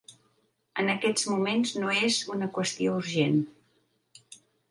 En aquests moments no és una qüestió urgent.